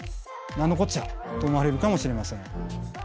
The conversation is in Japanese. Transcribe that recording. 何のこっちゃ？と思われるかもしれません。